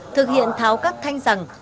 thực hiện tháo các thanh rằng